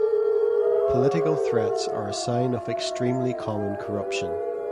Political threats are a sign of extremely common corruption.